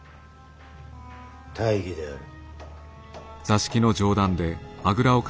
大儀である。